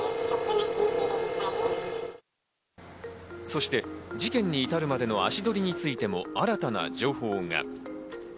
そして事件に至るまでの足取りについても新たな情報が。